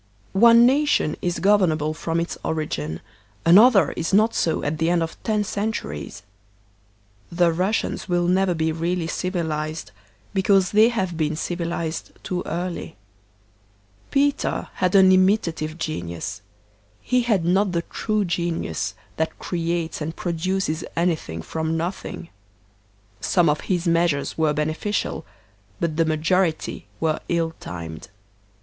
One nation is governable from its origin, another is not so at the end of ten centuries. The Russians will never be really civilized, because they have been civilized too early. Peter had an imitative genius; he had not the true genius that creates and produces anything from nothing. Some of his measures were beneficial, but the majority were ill timed.